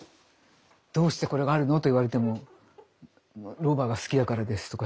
どうしてこれがあるのと言われてもロバが好きだからですとか。